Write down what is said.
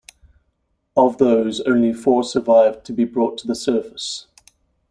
Of those, only four survived to be brought to the surface.